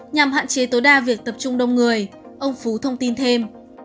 nhằm hạn chế tối đa việc tập trung đông người ông phú thông tin thêm